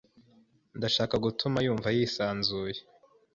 Ndashaka gutuma yumva yisanzuye.